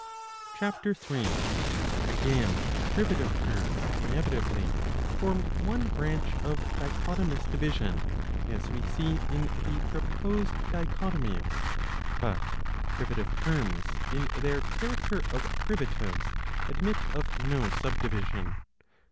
^ (Ch. 3.J Again privative terms inevitably form one branch of dichotomous division, as we see in the proposed dichotomies. But privative terms in their character of privatives admit of no subdivision.